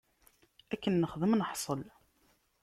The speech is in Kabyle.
Akken nexdem, neḥṣel.